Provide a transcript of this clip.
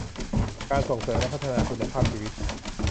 การส่งเสริมและพัฒนาคุณภาพชีวิต